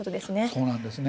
そうなんですね。